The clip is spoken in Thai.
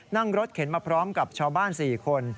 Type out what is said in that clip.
นั่งรถเข็นมาพร้อมกับชาวบ้าน๔คน